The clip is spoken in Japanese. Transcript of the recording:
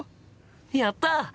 やった！